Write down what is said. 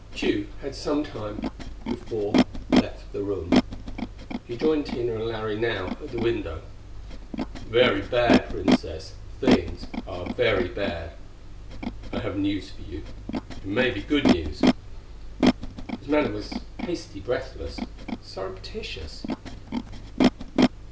Tugh had some time before left the room. He joined Tina and Larry now at the window. "Very bad, Princess; things are very bad.... I have news for you. It may be good news." His manner was hasty, breathless, surreptitious.